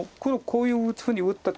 こういうふうに打った。